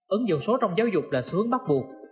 ứng dụng số trong giáo dục là xu hướng bắt buộc